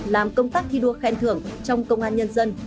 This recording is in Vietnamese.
làm công tác thi đua khen thưởng trong công an nhân dân